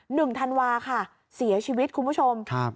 ธันวาค่ะเสียชีวิตคุณผู้ชมครับ